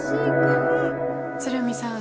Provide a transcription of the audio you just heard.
鶴見さん